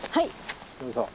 そうそう。